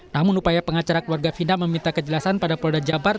namun upaya pengacara keluarga fina meminta kejelasan pada polda jabar